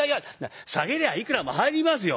「下げりゃいくらも入りますよ」。